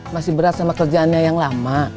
masih berat sama kerjaannya yang lama